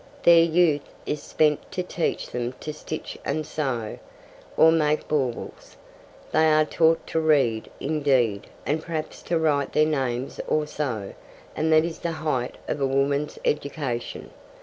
Their youth is spent to teach them to stitch and sew, or make baubles. They are taught to read, indeed, and perhaps to write their names or so, and that is the height of a woman's education.